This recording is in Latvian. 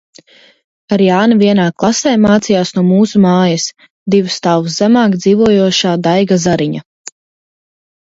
Ar Jāni vienā klasē mācījās no mūsu mājas, divus stāvus zemāk dzīvojošā Daiga Zariņa.